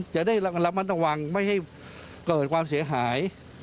จะได้ระมัดระวังไม่ให้เกิดความเสียหาย